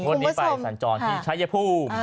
งวดนี้ไปสัญจรณ์ที่ไชยภูมิ